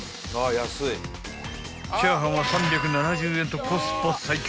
［チャーハンは３７０円とコスパ最強］